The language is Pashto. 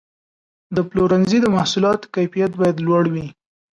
د پلورنځي د محصولاتو کیفیت باید لوړ وي.